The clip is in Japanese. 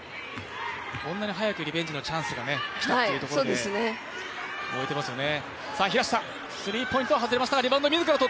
こんなに早くリベンジのチャンスが来たということで燃えていますよね。